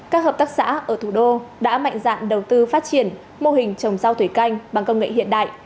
các hợp tác xã ở thủ đô đã mạnh dạn đầu tư phát triển mô hình trồng rau thủy canh bằng công nghệ hiện đại